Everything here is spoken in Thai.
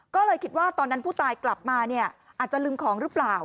ก็เลยคิดว่าตอนนั้นผู้ตายกลับมาเนี่ยอาจจะลืมของหรือเปล่า